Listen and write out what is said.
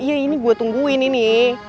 iya ini gue tungguin ini